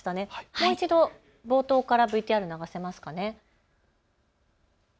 もう一度冒頭からＶＴＲ流せますかね。